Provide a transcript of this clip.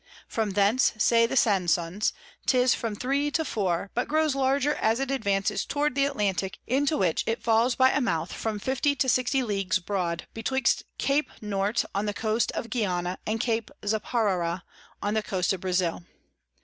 From thence, say the Sansons, 'tis from 3 to 4, but grows larger as it advances towards the Atlantick, into which it falls by a Mouth from 50 to 60 Leagues broad, betwixt Cape Nort on the Coast of Guaiana, and Cape Zaparara on the Coast of Brazile.